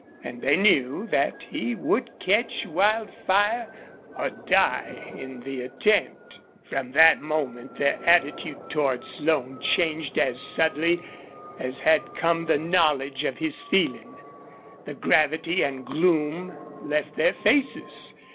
And they knew that he would catch Wildfire or die in the attempt. From that moment their attitude toward Slone changed as subtly as had come the knowledge of his feeling. The gravity and gloom left their faces.